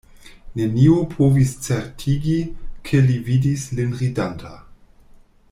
Neniu povis certigi, ke li vidis lin ridanta.